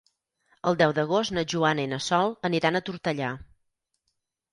El deu d'agost na Joana i na Sol aniran a Tortellà.